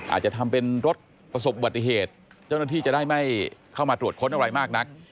อาจจะทำเป็นรถประสบบัติเหตุเจ้าหน้าที่จะได้ไม่เข้ามาตรวจค้นอะไรมากนัก